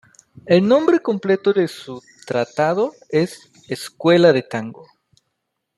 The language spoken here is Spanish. El nombre completo de su "Tratado" es "Escuela de tango.